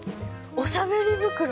おしゃべり袋。